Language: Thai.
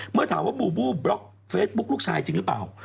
เมื่อถามว่าบูบูบล็อกเฟซบุ๊คลูกชายจริงหรือเปล่า